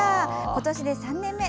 今年で３年目。